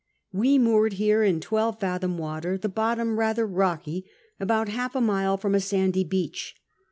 We moored here in twelve fathom water, the bottom rather rocky about half a mile from a sandy be; ich.